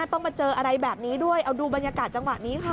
ต้องมาเจออะไรแบบนี้ด้วยเอาดูบรรยากาศจังหวะนี้ค่ะ